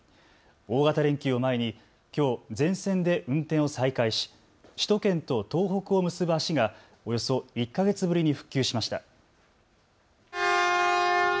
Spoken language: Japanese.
大型連休を前にきょう、全線で運転を再開し首都圏と東北を結ぶ足がおよそ１か月ぶりに復旧しました。